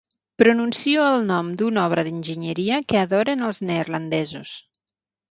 Pronuncio el nom d'una obra d'enginyeria que adoren els neerlandesos.